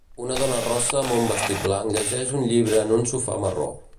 Una dona rossa amb un vestit blanc llegeix un llibre en un sofà marró.